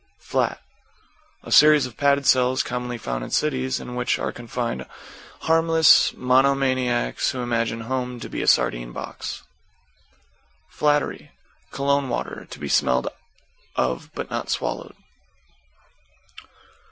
=FLAT= A series of padded cells, commonly found in cities, in which are confined harmless monomaniacs who imagine Home to be a Sardine Box. =FLATTERY= Cologne water, to be smelled of but not swallowed.